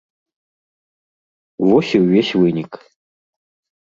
Вось і ўвесь вынік.